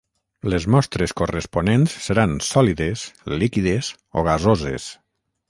Les mostres corresponents seran sòlides, líquides o gasoses.